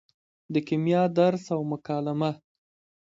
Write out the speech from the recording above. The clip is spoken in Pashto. د کیمیا درس او مکالمه